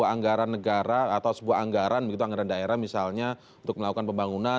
sebuah anggaran negara atau sebuah anggaran daerah misalnya untuk melakukan pembangunan